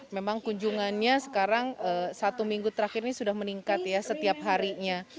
memang kunjungannya sekarang satu minggu terakhir ini sudah meningkat ya setiap harinya